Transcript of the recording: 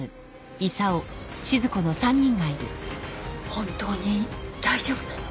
本当に大丈夫なの？